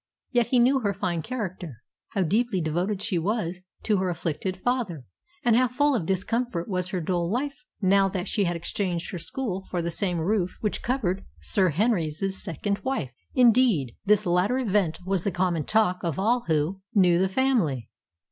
Yet he knew her fine character; how deeply devoted she was to her afflicted father, and how full of discomfort was her dull life, now that she had exchanged her school for the same roof which covered Sir Henry's second wife. Indeed, this latter event was the common talk of all who knew the family.